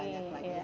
lebih banyak lagi